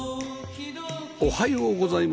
おはようございます。